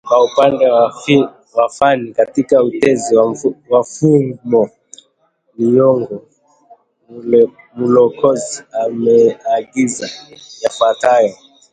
Kwa upande wa fani katika Utenzi wa Fumo Liyongo Mulokozi ameangazia yafuatayo: